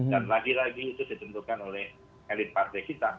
dan lagi lagi itu ditentukan oleh elit partai kita